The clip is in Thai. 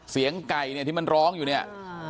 เสียงไก่เนี่ยที่มันร้องอยู่เนี่ย